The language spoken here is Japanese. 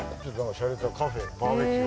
シャレたカフェバーベキュー。